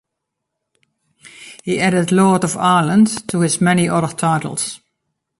He added "Lord of Ireland" to his many other titles.